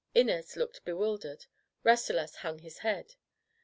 Inez looked bewildered; Rasselas hung his head.